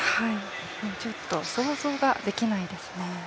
ちょっと想像ができないですね。